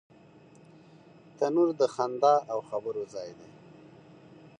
تنور د خندا او خبرو ځای دی